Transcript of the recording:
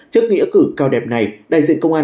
trước nghĩa cử cao đẹp này đại diện công an